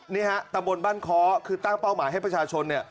นี่ฮะตะบนบ้านค้อคือตั้งเป้าหมายให้ประชาชนเนี่ย